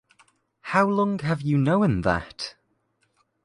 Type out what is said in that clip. How long have you known that?